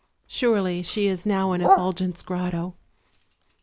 surely she is now in Effulgent's grotto."